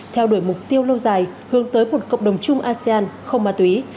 theo đuổi mục tiêu lâu dài hướng tới một cộng đồng chung asean không ma túy